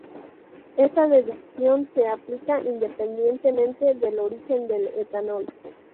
Esta deducción se aplica independientemente del origen del etanol.